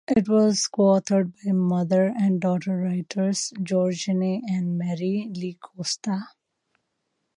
It was co-authored by mother-and-daughter writers Georgene and Mary Lee Costa.